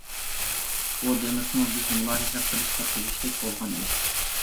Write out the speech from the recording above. بۇ دېمىسىمۇ بىز مۇلاھىزە قىلىشقا تېگىشلىك بولغان ئىش.